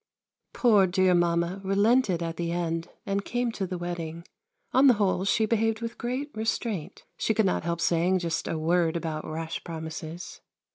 Poor dear Mamma relented at the end and came to the wedding. On the whole she behaved with great restraint. She could not help saying just a word about rash promises.